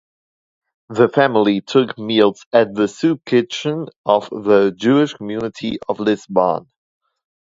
The family took meals at the soup kitchen of the Jewish community of Lisbon.